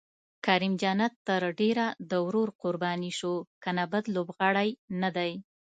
کریم جنت تر ډېره د ورور قرباني شو، که نه بد لوبغاړی نه دی.